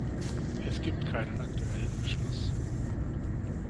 Es gibt keinen aktuellen Beschluss.